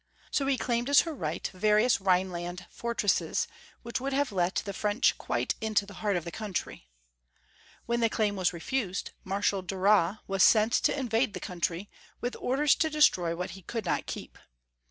So he claimed as her right various Rhineland fortresses, which would have let the French quite into the heart of the country. When the claim was refused, Marshal Duras was sent to invade the country, with orders to destroy what he could not keep.